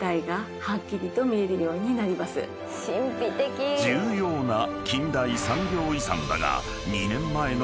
［重要な近代産業遺産だが２年前の豪雨で］